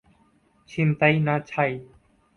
ছিনতাই না ছাই।